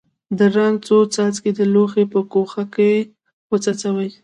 د رنګ څو څاڅکي د لوښي په ګوښه کې وڅڅوئ.